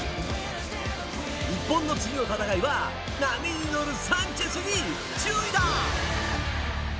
日本の次の戦いは波に乗るサンチェスに注意だ。